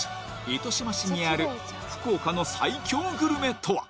糸島市にある福岡の最強グルメとは？